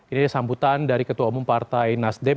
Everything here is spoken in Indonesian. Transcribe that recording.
ini sambutan dari ketua umum partai nasdem